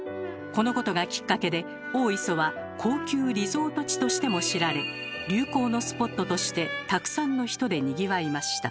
このことがきっかけで大磯は高級リゾート地としても知られ流行のスポットとしてたくさんの人でにぎわいました。